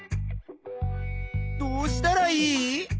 どうしたらいい？